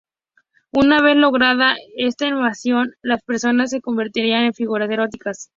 Una vez lograda esta emancipación, las personas se convertirían en figuras heroicas.